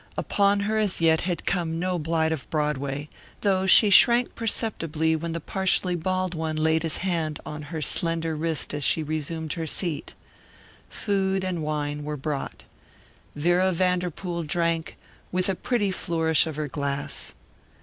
Upon her as yet had come no blight of Broadway, though she shrank perceptibly when the partially bald one laid his hand on her slender wrist as she resumed her seat. Food and wine were brought. Vera Vanderpool drank, with a pretty flourish of her glass.